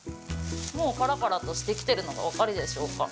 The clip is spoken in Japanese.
もうパラパラとしてきているのが分かるでしょうか？